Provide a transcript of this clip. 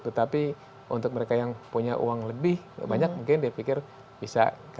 tetapi untuk mereka yang punya uang lebih banyak mungkin dia pikir bisa